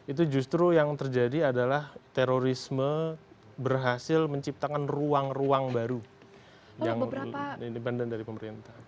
itu justru yang terjadi adalah terorisme berhasil menciptakan ruang ruang baru yang dibanden dari pemerintah